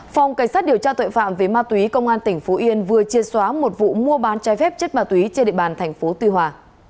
phòng cảnh sát điều tra tội phạm về ma túy công an tỉnh phú yên vừa chiên xóa một vụ mua bán chai phép chất ma túy trên địa bàn tp tuy hòa